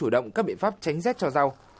động các biện pháp tránh rét cho rau